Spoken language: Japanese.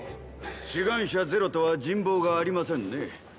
志願者ゼロとは人望がありませんね。